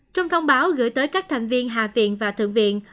trong thông báo gửi tới các thành viên hạ viện và thượng viện